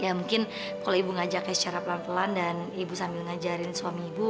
ya mungkin kalau ibu ngajaknya secara pelan pelan dan ibu sambil ngajarin suami ibu